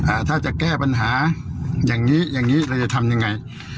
อ่าถ้าจะแก้ปัญหาอย่างงี้อย่างงี้เราจะทำยังไง